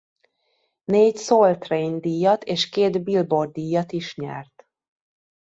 Négy Soul Train díjat és két Billboard-díjat is nyert.